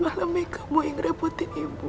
malah mika mu yang ngerepotin ibu